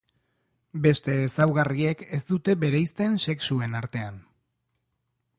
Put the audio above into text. Beste ezaugarriek ez dute bereizten sexuen artean.